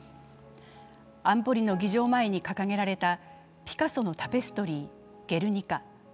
安保理の議場前に掲げられたピカソのタペストリー「ゲルニカ」。